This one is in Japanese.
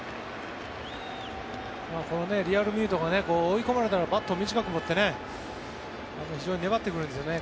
このリアルミュートが追い込まれたらバットを短く持って非常に粘ってくるんですよね。